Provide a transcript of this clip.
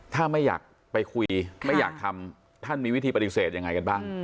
ถ้าไม่อยากไปคุยไม่อยากทำท่านมีวิธีปฏิเสธยังไงกันบ้าง